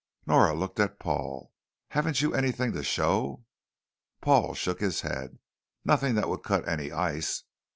Nora looked at Paul. "Haven't you anything to show?" Paul shook his head. "Nothing that would cut any ice.